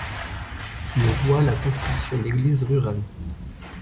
Le voit la construction d'églises rurales.